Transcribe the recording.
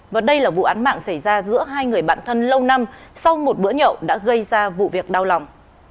và đây là vụ án mạng xảy ra giữa hai người bạn thân lâu năm sau một bữa nhậu đã gây ra vụ việc đau lòng